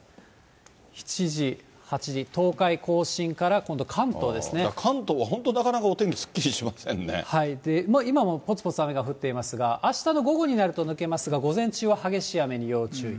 ７時、８時、東海、甲信から今度、関東は本当、なかなかお天気、今もぽつぽつ雨が降っていますが、あしたの午後になると、抜けますが、午前中は激しい雨に要注意。